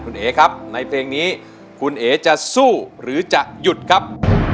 คุณเอ๋ครับในเพลงนี้คุณเอ๋จะสู้หรือจะหยุดครับ